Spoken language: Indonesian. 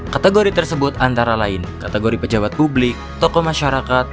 kategori tersebut antara lain kategori pejabat publik tokoh masyarakat